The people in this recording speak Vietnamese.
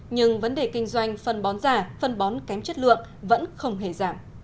nhưng vấn đề kinh doanh phân bón giả phân bón kém chất lượng vẫn không hề giảm